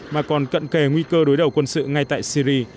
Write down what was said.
mà còn cận kề nguy cơ đối đầu quân sự ngay tại syri